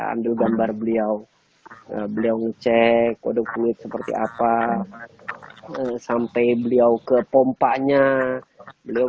ambil gambar beliau beliau ngecek waduk kulit seperti apa sampai beliau ke pompanya beliau